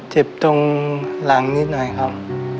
เจ็บตรงหลังนิดหน่อยครับ